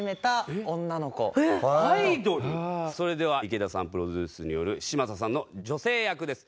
それでは池田さんプロデュースによる嶋佐さんの女性役です。